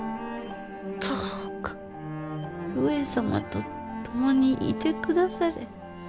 どうか上様と共にいて下され。